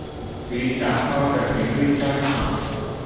與載波的頻率相同